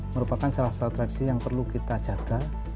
merupakan salah satu traksi yang perlu kita jaga